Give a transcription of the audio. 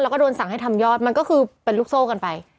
แล้วก็โดนสั่งให้ทำยอดมันก็คือเป็นลูกโซ่กันไป